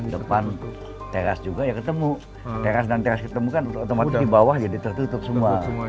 depan teras juga ya ketemu teras dan teras ketemu kan otomatis di bawah jadi tertutup semua